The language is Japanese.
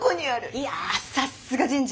いやさすが人事。